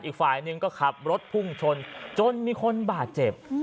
อีกฝ่ายหนึ่งก็ขับรถพุ่งชนจนมีคนบาดเจ็บ